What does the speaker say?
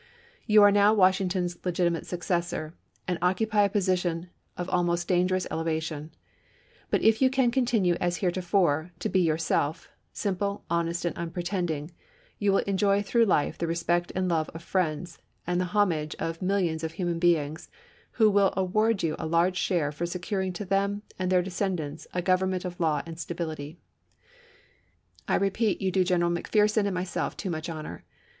.. You Vol. VIII.— 22 338 ABRAHAM LINCOLN CH. XIII. are now Washington's legitimate successor and occupy a position of almost dangerous elevation ; but if you can continue as heretofore to be youi' self , simple, honest, and unpretending, you will en joy through life the respect and love of friends, and the homage of millions of human beings who will award to you a large share for securing to them and their descendants a government of law and stability. I repeat you do General McPherson and myself too much honor.